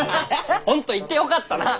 本当行ってよかったな！